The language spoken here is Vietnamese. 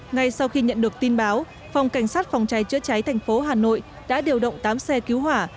ngay sau khi nhận được tin báo phòng cảnh sát phòng cháy chữa cháy thành phố hà nội đã điều động tám xe cứu hỏa